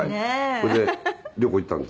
それで旅行へ行ったんです。